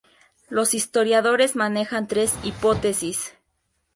Los historiadores manejan tres hipótesis.